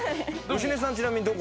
芳根さんちなみにどこ？